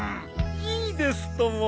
いいですとも。